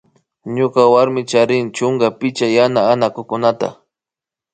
Ñuka warmika charin chunka picha yana anakukunata